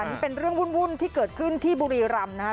นี่เป็นเรื่องวุ่นที่เกิดขึ้นที่บุรีรำนะครับ